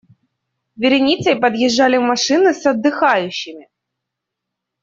Вереницей подъезжали машины с отдыхающими.